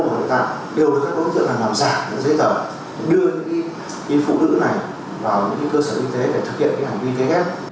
đều được các đối tượng làm dài những giấy tờ đưa những phụ nữ này vào những cơ sở y tế để thực hiện hành vi thế khác